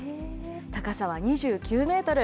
高さは２９メートル。